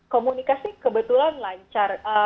komunikasi kebetulan lancar